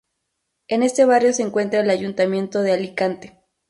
En este barrio se encuentra el Ayuntamiento de Alicante.